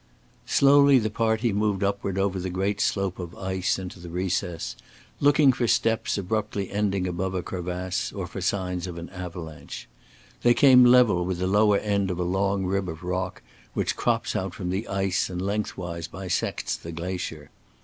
Slowly the party moved upward over the great slope of ice into the recess, looking for steps abruptly ending above a crevasse or for signs of an avalanche. They came level with the lower end of a long rib of rock which crops out from the ice and lengthwise bisects the glacier.